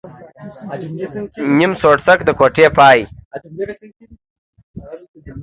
نيم سوړسک ، د کوټې پاى.